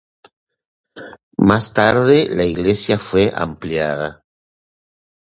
Más tarde la iglesia fue ampliada.